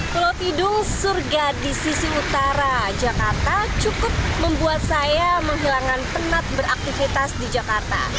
pulau tidung surga di sisi utara jakarta cukup membuat saya menghilangkan penat beraktivitas di jakarta